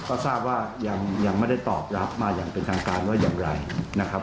ก็ทราบว่ายังไม่ได้ตอบรับมาอย่างเป็นทางการว่าอย่างไรนะครับ